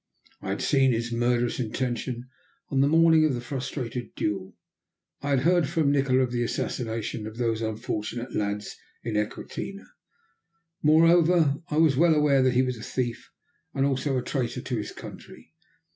I had seen his murderous intention on the morning of the frustrated duel; I had heard from Nikola of the assassination of those unfortunate lads in Equinata; moreover, I was well aware that he was a thief, and also a traitor to his country.